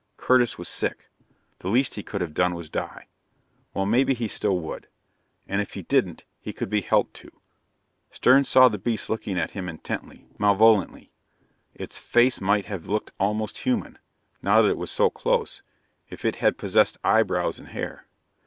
Curtis was sick. The least he could have done was die. Well, maybe he still would. And if he didn't he could be helped to Stern saw the beast looking at him intently, malevolently. Its face might have looked almost human, now that it was so close, if it had possessed eyebrows and hair.